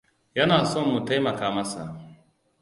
Yana son mu taimaka masa.